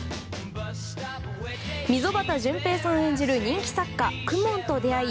溝端淳平さん演じる人気作家公文と出会い